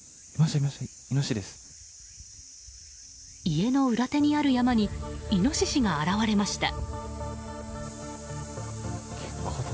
家の裏手にある山にイノシシが現れました。